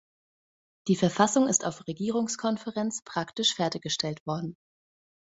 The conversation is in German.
Die Verfassung ist auf Regierungskonferenz praktisch fertiggestellt worden.